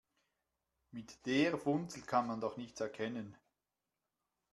Mit der Funzel kann man doch nichts erkennen.